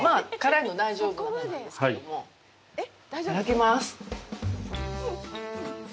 いただきます。